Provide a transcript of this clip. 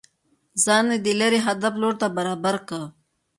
ځان د ليري هدف لور ته برابر كه